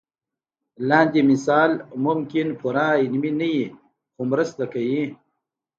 لاندې مثال ممکن پوره علمي نه وي خو مرسته کوي.